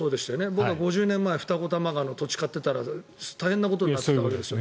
僕は５０年前、二子玉川の土地を買っていたら大変なことになっていたわけですよ。